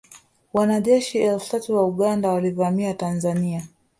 Wanajeshi elfu tatu wa Uganda walivamia Tanzania